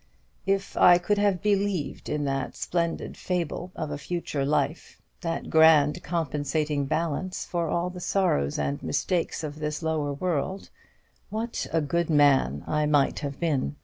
"If I could have believed in that splendid fable of a future life, that grand compensating balance for all the sorrows and mistakes of this lower world, what a good man I might have been!"